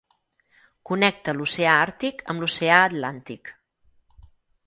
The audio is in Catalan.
Connecta l'oceà Àrtic amb l'oceà Atlàntic.